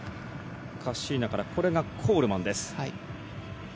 カッシーナからこれがコールマンです。